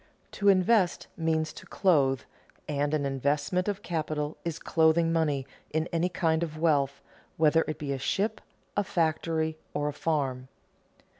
To invest means to clothe, and an investment of capital is clothing money in any kind of wealth, whether it be a ship, a factory, or a farm.